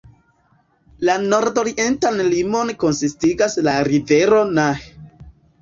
La nordorientan limon konsistigas la rivero Nahe.